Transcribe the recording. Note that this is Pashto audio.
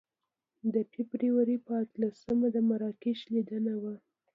د فبروري په اتلسمه د مراکش لیدنه وه.